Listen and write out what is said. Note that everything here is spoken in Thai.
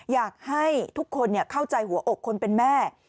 อยากให้ทุกคนเข้าใจหัวอกคนเป็นแม่